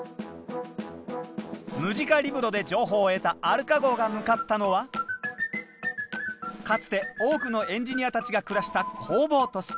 ムジカリブロで情報を得たアルカ号が向かったのはかつて多くのエンジニアたちが暮らした工房都市。